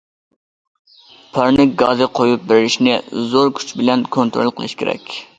پارنىك گازى قويۇپ بېرىشنى زور كۈچ بىلەن كونترول قىلىش كېرەك.